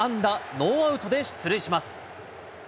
ノーアウトで出塁します。